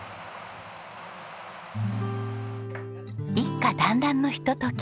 一家だんらんのひととき。